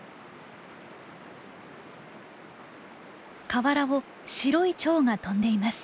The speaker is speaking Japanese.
河原を白いチョウが飛んでいます。